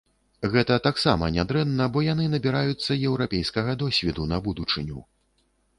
Гэта таксама нядрэнна, бо яны набіраюцца еўрапейскага досведу на будучыню.